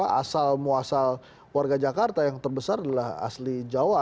nah ini adalah yang memuasal warga jakarta yang terbesar adalah asli jawa